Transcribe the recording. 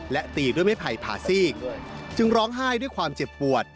และตีด้วยไม้ไผ่ผ่าซีกจึงร้องไห้ด้วยความเจ็บปวด